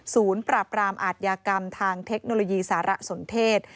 ปราบรามอาทยากรรมทางเทคโนโลยีสารสนเทศ